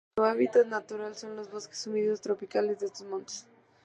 Su hábitat natural son los bosques húmedos tropicales de estos montes.